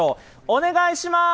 お願いします。